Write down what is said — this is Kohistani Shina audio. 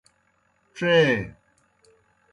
ڇے۔